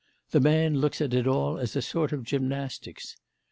The man looks at it all as a sort of gymnastics.